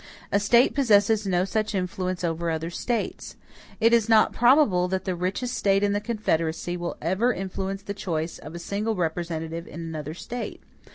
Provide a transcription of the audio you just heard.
A State possesses no such influence over other States. It is not probable that the richest State in the Confederacy will ever influence the choice of a single representative in any other State.